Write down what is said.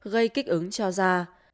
gây kích ứng cho da